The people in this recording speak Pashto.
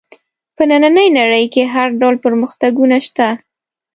په نننۍ نړۍ کې هر ډول پرمختګونه شته.